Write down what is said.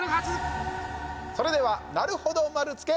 それでは「なるほど丸つけ」